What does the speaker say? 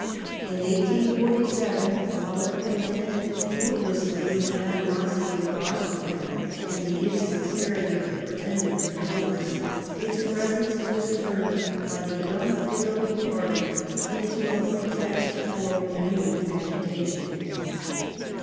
In 1847> while it contended fruitlessly with the animosity of> Austria, and the insincerity of the pretended reformers^ its presence was turned by the Young Italy party into a pretext for renewed agitation.